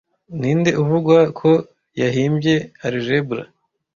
Ninde uvugwa ko yahimbye Algebra